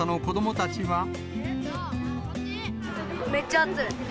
めっちゃ暑い。